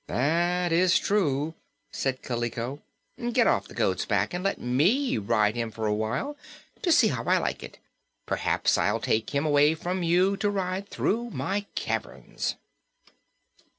"That is true," said Kaliko. "Get off the goat's back and let me ride him a while, to see how I like it. Perhaps I'll take him away from you, to ride through my caverns."